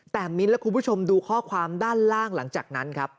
แต่มิ้นท์และคุณผู้ชมดูข้อความด้านล่างหลังจากนั้นครับ